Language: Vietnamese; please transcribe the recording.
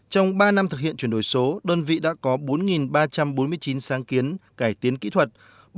trong ba năm thực hiện chuyển đổi số đơn vị đã có bốn ba trăm bốn mươi chín sáng kiến cải tiến kỹ thuật